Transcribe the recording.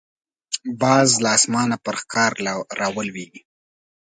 باز له اسمانه پر ښکار راولويږي